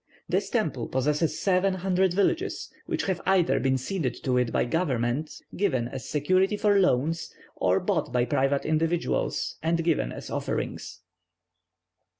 This temple possesses seven hundred villages, which have either been ceded to it by government, given as security for loans, or bought by private individuals and given as offerings."